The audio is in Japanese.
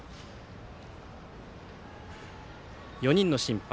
４人の審判。